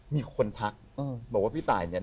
มีคนทักบอกว่าพี่ตายเนี่ย